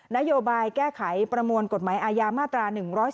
นโยบายแก้ไขประมวลกฎหมายอาญามาตรา๑๔